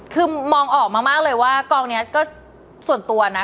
คือมองออกมามากเลยว่ากองนี้ก็ส่วนตัวนะ